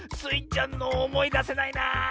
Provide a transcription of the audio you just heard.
ちゃんのおもいだせないなあ。